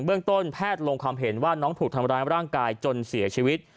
เรื่องต้นแพทย์ลงความเห็นว่าน้องถูกทำร้ายร่างกายจนเสียชีวิต